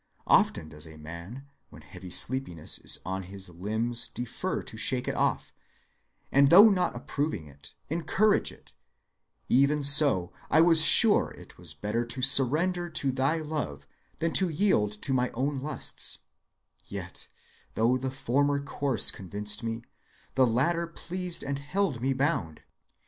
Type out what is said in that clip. Often does a man when heavy sleepiness is on his limbs defer to shake it off, and though not approving it, encourage it; even so I was sure it was better to surrender to thy love than to yield to my own lusts, yet, though the former course convinced me, the latter pleased and held me bound.